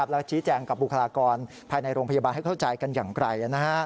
แล้วชี้แจงกับบุคลากรภายในโรงพยาบาลให้เข้าใจกันอย่างไกล